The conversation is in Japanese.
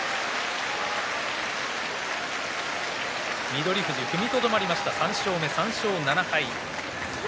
翠富士踏みとどまりました、３勝７敗。